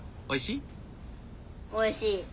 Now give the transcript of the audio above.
おいしい！